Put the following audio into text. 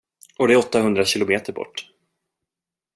Och det är åttahundra km bort.